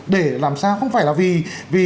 để làm sao không phải là vì